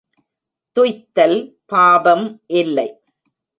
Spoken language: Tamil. துய்த்தல் பாபம் இல்லை.